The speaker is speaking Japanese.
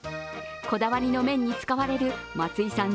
こだわりの麺に使われる松井さん